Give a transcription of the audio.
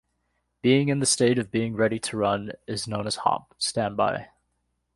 Being in the state of being ready to run is known as hot standby.